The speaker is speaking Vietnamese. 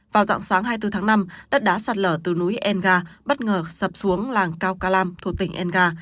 vào dạng sáng hai mươi bốn tháng năm đất đá sạt lở từ núi enga bất ngờ sập xuống làng cao calam thuộc tỉnh enga